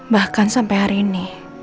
bahkan sampai hari ini